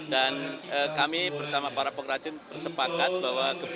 dan kami bersama para perajin bersepakat bahwa geblek tersebut